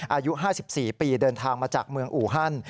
อายุ๕๔ปีเดินทางมาจากเมืองอูฮัน